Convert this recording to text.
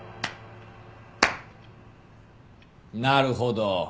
なるほど。